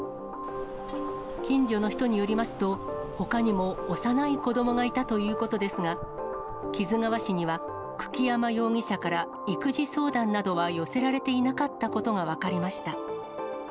近所の人によりますと、ほかにも幼い子どもがいたということですが、木津川市には久木山容疑者から育児相談などは寄せられていなかったことが分かりました。